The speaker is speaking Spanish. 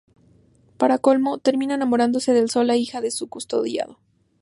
Para colmo, termina enamorándose de Sol, la hija de su custodiado.